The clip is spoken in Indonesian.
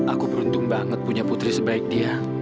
aku beruntung banget punya putri sebaik dia